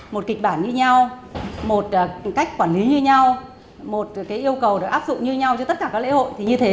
một kịch bản như nhau một cách quản lý như nhau một yêu cầu được áp dụng như nhau cho tất cả các lễ hội thì như thế